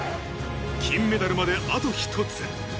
金メダルまであと１つ。